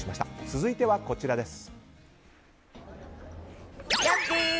続いてはこちらです。